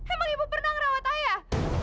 emang ibu pernah ngerawat ayah